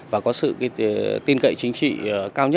và có sự tin cậy chính trị cao